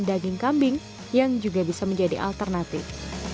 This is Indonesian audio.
daging kambing yang juga bisa menjadi alternatif